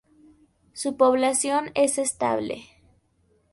Su población es estable.